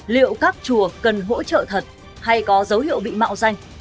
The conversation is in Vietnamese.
liệu các chùa cần hỗ trợ thật hay có dấu hiệu bị mạo danh